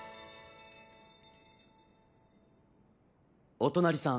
お隣さん。